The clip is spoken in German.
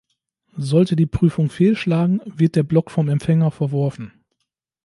Sollte die Prüfung fehlschlagen, wird der Block vom Empfänger verworfen.